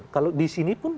kalau di sini pun